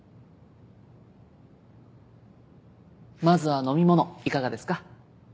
まずは飲み物いかがですか？